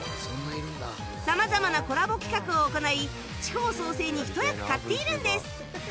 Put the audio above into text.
様々なコラボ企画を行い地方創生に一役買っているんです